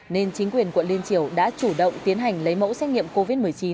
nên chính quyền quận liên triều đã chủ động tiến hành lấy mẫu xét nghiệm covid một mươi chín